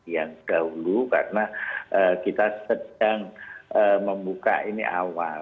yang dahulu karena kita sedang membuka ini awal